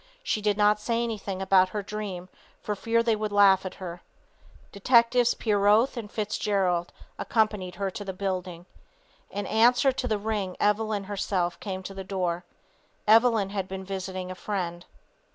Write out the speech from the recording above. She did not say anything about her dream for fear they would laugh at her. Detectives Pieroth and Fitzgerald accompanied her to the building. In answer to the ring Evelyn herself came to the door. Evelyn had been visiting a friend.